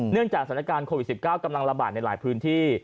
จากสถานการณ์โควิด๑๙กำลังระบาดในหลายพื้นที่